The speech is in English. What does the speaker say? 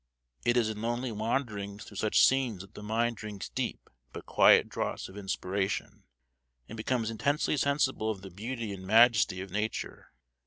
It is in lonely wanderings through such scenes that the mind drinks deep but quiet draughts of inspiration, and becomes intensely sensible of the beauty and majesty of Nature.